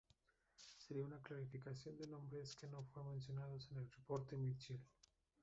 Sería una clarificación de nombres que no fueron mencionados en el "Reporte Mitchell".